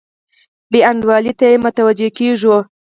بې انډولۍ ته یې متوجه کیږو.